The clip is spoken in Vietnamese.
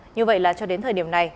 như vậy là cho đến thời điểm này